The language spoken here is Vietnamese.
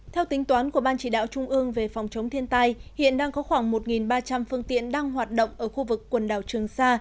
theo tính toán của ban chỉ đạo trung ương về phòng chống thiên tai hiện đang có khoảng một ba trăm linh phương tiện đang hoạt động ở khu vực quần đảo trường sa